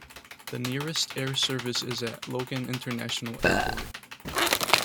The nearest air service is at Logan International Airport.